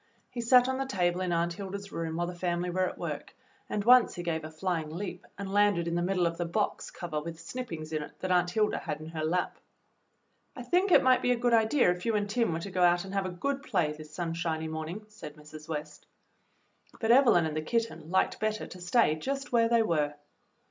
He sat on the table in Aunt Hilda's room while the family were at work, and once he gave a flying leap and landed in the middle of the box cover with snippings in it that Aunt Hilda had in her lap. "I think it might be a good idea if you and Tim were to go out and have a good play this sunshiny morning," said Mrs. West. % 46 THE BLUE AUNT But Evelyn and the kitten liked better to stay just where they were.